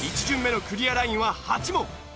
１巡目のクリアラインは８問。